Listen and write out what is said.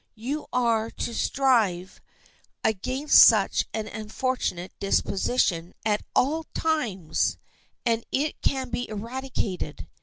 You are to strive against such an unfortunate disposition at all times. And it can be eradicated.